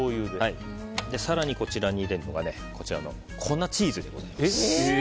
更に、こちらに入れるのが粉チーズでございます。